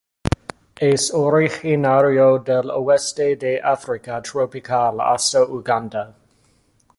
Es originario del oeste de África tropical hasta Uganda.